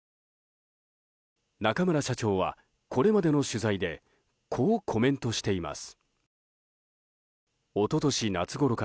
中村社長は、これまでの取材でこうコメントしています。